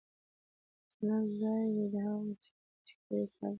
جنت ځای وي د هغو چي کوي صبر